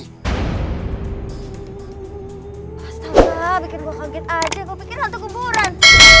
astaga bikin gue kaget aja gue pikir hantu kuburan